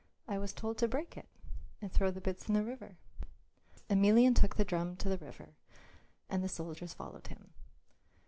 "I was told to break it and throw the bits into the river." Emelian took the drum to the river and the soldiers followed him.